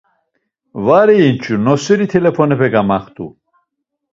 Var eyinç̌u, noseri t̆ilifonepe gamaxtu.